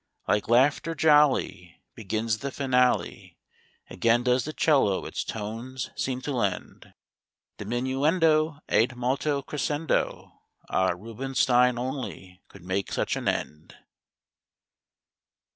Like laughter jolly Begins the finale; Again does the 'cello its tones seem to lend Diminuendo ad molto crescendo. Ah! Rubinstein only could make such an end!